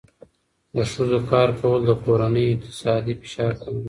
د ښځو کار کول د کورنۍ اقتصادي فشار کموي.